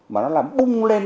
mà nó làm bung lên